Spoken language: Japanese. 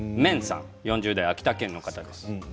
４０代秋田県の方です。